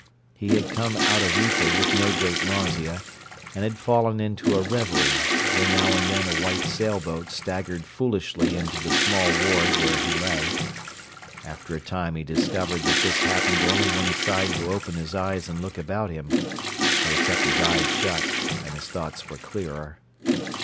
He had come "out of ether" with no great nausea, and had fallen into a reverie, though now and then a white sailboat staggered foolishly into the small ward where he lay. After a time he discovered that this happened only when he tried to open his eyes and look about him; so he kept his eyes shut, and his thoughts were clearer.